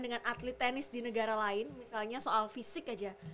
dengan atlet tenis di negara lain misalnya soal fisik aja